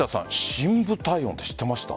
深部体温って知ってました？